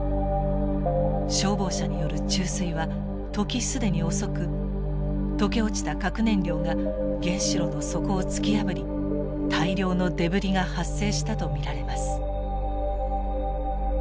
消防車による注水は時既に遅く溶け落ちた核燃料が原子炉の底を突き破り大量のデブリが発生したと見られます。